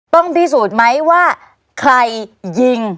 ต้องพิสูจน์ไหมว่าใครยิง